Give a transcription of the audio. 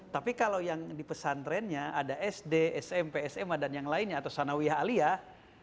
tapi kalau yang di pesantrennya ada sd smp sma dan yang lainnya atau sanawiyah aliyah